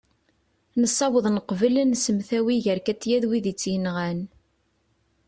nessaweḍ neqbel ad nsemtawi gar katia d wid i tt-yenɣan